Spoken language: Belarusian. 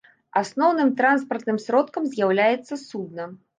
Асноўным транспартным сродкам з'яўляецца судна.